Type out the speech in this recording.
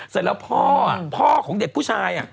เสร็จแล้วพ่อพ่อของเด็กผู้ชาย